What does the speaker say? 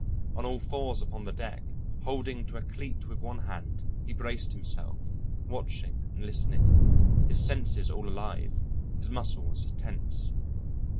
On all fours upon the deck, holding to a cleat with one hand, he braced himself, watching and listening, his senses all alive, his muscles tense.